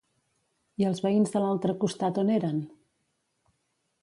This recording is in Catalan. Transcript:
I els veïns de l'altre costat on eren?